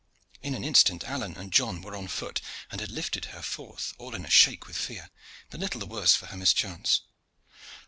In an instant Alleyne and John were on foot, and had lifted her forth all in a shake with fear, but little the worse for her mischance.